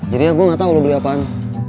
jadinya gue gak tau lo beli apaan